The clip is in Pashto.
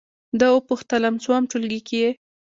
ده وپوښتلم: څووم ټولګي کې یې؟